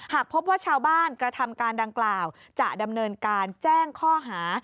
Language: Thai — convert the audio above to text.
หากพบว่าชาวบ้านกระทำการดังกล่าวจะดำเนินการแจ้งข้อหา